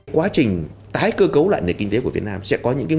quá trình tái cơ cấu lại nền kinh tế của việt nam sẽ có những kinh tế